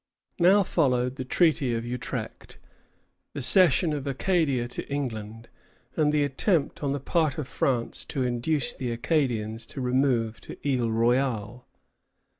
Now followed the Treaty of Utrecht, the cession of Acadia to England, and the attempt on the part of France to induce the Acadians to remove to Isle Royale.